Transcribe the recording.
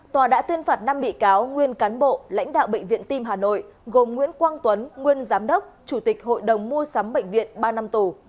tòa đã tuyên phạt năm bị cáo nguyên cán bộ lãnh đạo bệnh viện tim hà nội gồm nguyễn quang tuấn nguyên giám đốc chủ tịch hội đồng mua sắm bệnh viện ba năm tù